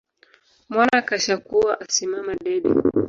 Mwana kashakuwa asimama dede